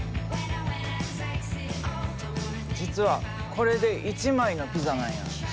実はこれで１枚のピザなんや。